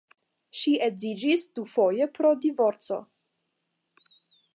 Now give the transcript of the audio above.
Ŝi edziĝis dufoje pro divorco.